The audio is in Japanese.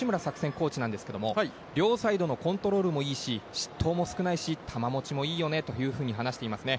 コーチなんですけれども、両サイドのコントロールもいいし、失投も少ないし、球持ちもいいよね、というふうに話していますね。